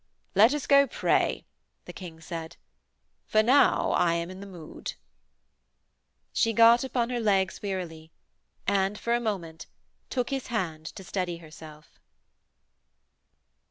'Let us go pray,' the King said. 'For now I am in the mood.' She got upon her legs wearily, and, for a moment, took his hand to steady herself.